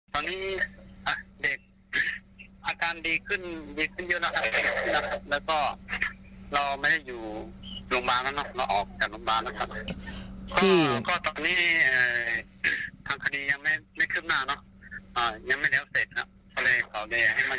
ตอนนี้จะกลับไปบอล